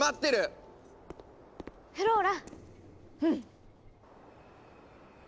うん。